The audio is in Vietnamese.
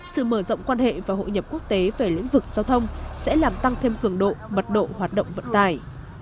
sự mở rộng quan hệ và hội nhập quốc tế về lĩnh vực giao thông sẽ làm tăng thêm cường độ mật độ hoạt động vận tải